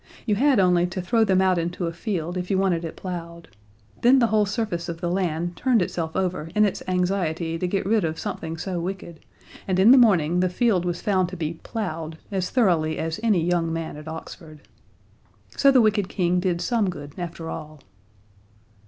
You had only to throw them out into a field if you wanted it plowed. Then the whole surface of the land turned itself over in its anxiety to get rid of something so wicked, and in the morning the field was found to be plowed as thoroughly as any young man at Oxford. So the wicked King did some good after all.